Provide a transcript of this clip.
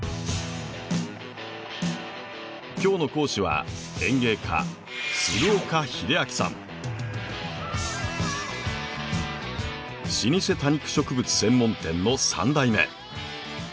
今日の講師は老舗多肉植物専門店の３代目。